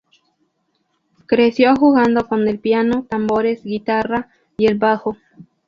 Creció jugando con el piano, tambores, guitarra, y el bajo.